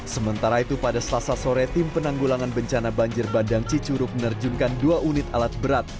sementara itu pada selasa sore tim penanggulangan bencana banjir bandang cicuruk menerjunkan dua unit alat berat